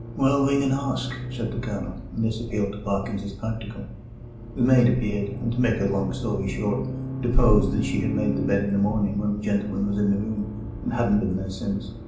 "Well, ring and ask," said the Colonel, and this appealed to Parkins as practical. The maid appeared, and, to make a long story short, deposed that she had made the bed in the morning when the gentleman was in the room, and hadn't been there since.